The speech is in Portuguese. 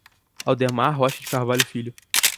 Aldemar Rocha de Carvalho Filho